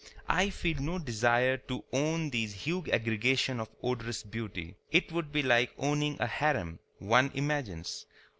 I feel no desire to own these huge aggregations of odorous beauty. It would be like owning a harem, one imagines.